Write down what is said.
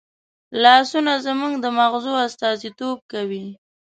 لاسونه زموږ د مغزو استازیتوب کوي